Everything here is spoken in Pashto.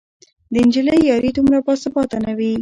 د نجلۍ یاري دومره باثباته نه وي